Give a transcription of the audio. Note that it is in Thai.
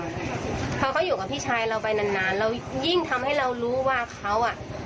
เพราะเขาอยู่กับพี่ชายเราไปนานนานเรายิ่งทำให้เรารู้ว่าเขาอ่ะ